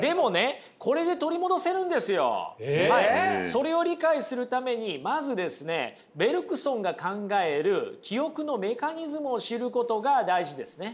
それを理解するためにまずですねベルクソンが考える記憶のメカニズムを知ることが大事ですね。